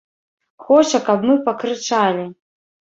Хоча, каб мы пакрычалі.